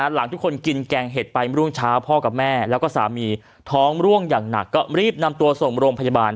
หลังทุกคนกินแกงเห็ดไปรุ่งเช้าพ่อกับแม่แล้วก็สามีท้องร่วงอย่างหนักก็รีบนำตัวส่งโรงพยาบาล